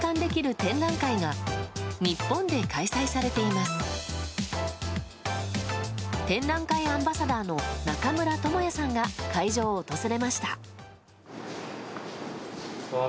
展覧会アンバサダーの中村倫也さんが会場を訪れました。